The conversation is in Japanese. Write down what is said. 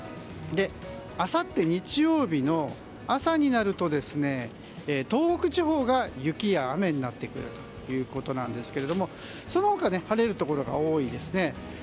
あさって日曜日の朝になると東北地方が雪や雨になってくるということなんですけれどもその他、晴れるところが多いですね。